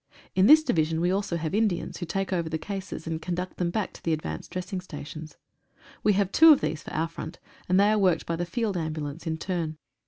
In this Division we also have Indians, who take over the cases, and conduct them back to the advanced dressing stations. We have two of these for our front, and they are worked by the Field Ambulance in turn.